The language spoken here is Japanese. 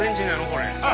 これ。